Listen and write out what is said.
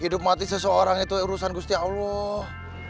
hidup mati seseorang itu urusan gusti allah